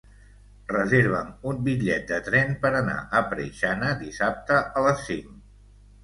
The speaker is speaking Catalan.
Reserva'm un bitllet de tren per anar a Preixana dissabte a les cinc.